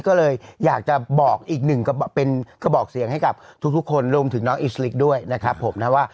ก็เลยอยากจะบอกอีกหนึ่งเป็นกระบอกเสียงให้กับทุกคนรวมถึงน้องอิสลิกด้วยนะครับผมนะว่า